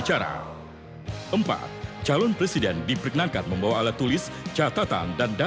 dadah kulorit bola balik gardi ini